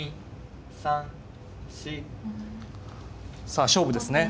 さあ勝負ですね。